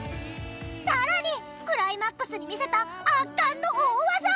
さらにクライマックスに見せた圧巻の大技！